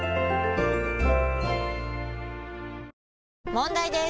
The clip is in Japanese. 問題です！